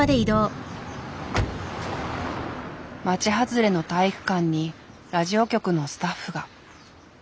町外れの体育館にラジオ局のスタッフが。